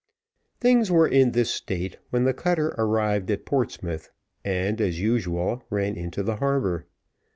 Things were in this state when the cutter arrived at Portsmouth, and, as usual, ran into the harbour.